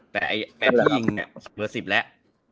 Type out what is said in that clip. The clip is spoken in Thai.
แต่แบบวิ่งเบอร์๑๐แล้ว